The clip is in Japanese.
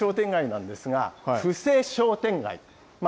やって来た商店街なんですが、布施商店街。